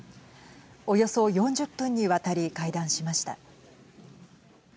およそ４０分にわたり会談しました。